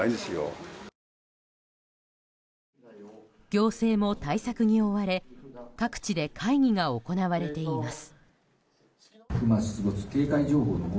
行政も対策に追われ各地で会議が行われています。